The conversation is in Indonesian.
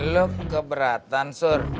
lo keberatan sor